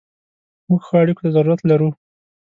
موږ ښو اړیکو ته ضرورت لرو.